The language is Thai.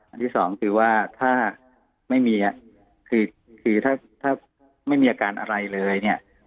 อันที่สองคือว่าถ้าไม่มีอาการอะไรเลยเนี่ย